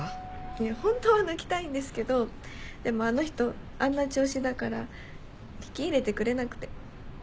いや本当は抜きたいんですけどでもあの人あんな調子だから聞き入れてくれなくて。